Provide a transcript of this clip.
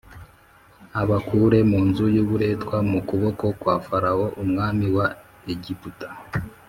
abakure mu nzu y’uburetwa, mu kuboko kwa Farawo umwami wa Egiputa